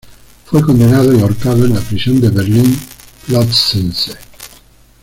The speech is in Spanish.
Fue condenado y ahorcado en la prisión de Berlin-Plötzensee.